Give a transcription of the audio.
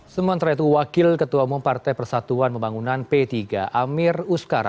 sementara itu wakil ketua umum partai persatuan pembangunan p tiga amir uskara